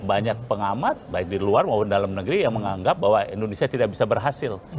banyak pengamat baik di luar maupun dalam negeri yang menganggap bahwa indonesia tidak bisa berhasil